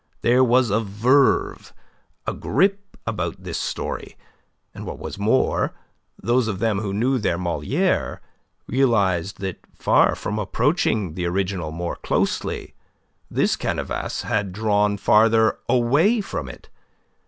There was a verve, a grip about this story; and, what was more, those of them who knew their Moliere realized that far from approaching the original more closely, this canevas had drawn farther away from it.